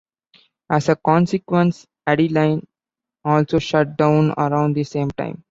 As a consequence, Adeline also shut down around the same time.